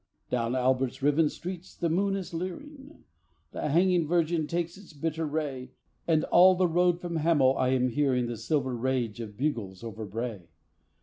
Down Albert's riven streets the moon is leering; The Hanging Virgin takes its bitter ray; And all the road from Hamel I am hearing The silver rage of bugles over Bray.